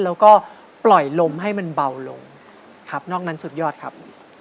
แล้วก็ปล่อยลมให้มันเบาลงครับนอกนั้นสุดยอดครับ